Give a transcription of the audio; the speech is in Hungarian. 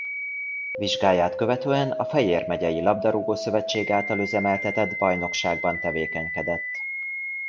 Vizsgáját követően a Fejér megyei labdarúgó-szövetség által üzemeltetett bajnokságban tevékenykedett.